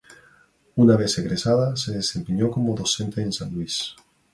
Una vez egresada, se desempeñó como docente en San Luis.